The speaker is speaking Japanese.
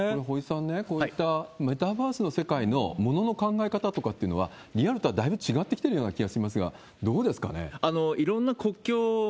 堀さん、こういったメタバースの世界のものの考え方とかっていうのは、リアルとはだいぶ違ってきてるような気がしますが、どうですかね？